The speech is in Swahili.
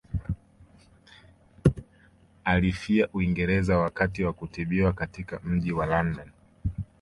Alifia Uingereza wakati wa kutibiwa katika mji wa London